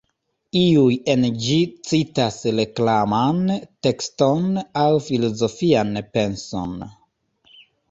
Iuj en ĝi citas reklaman tekston aŭ filozofian penson.